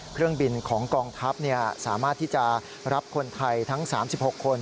เครื่องบินของกองทัพสามารถที่จะรับคนไทยทั้ง๓๖คน